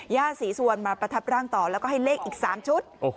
ย่าศรีสุวรรณมาประทับร่างต่อแล้วก็ให้เลขอีก๓ชุด